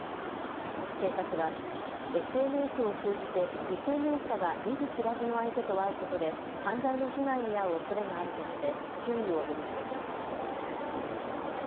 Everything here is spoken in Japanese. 警察はＳＮＳを通じて未成年者が見ず知らずの相手と会うことで犯罪の被害に遭うおそれがあるとして注意を呼びかけています。